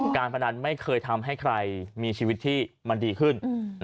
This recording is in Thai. การพนันไม่เคยทำให้ใครมีชีวิตที่มันดีขึ้น